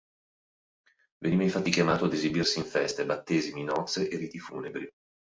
Veniva infatti chiamato ad esibirsi in feste, battesimi, nozze e riti funebri.